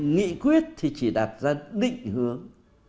nghị quyết thì chỉ đạt ra định hướng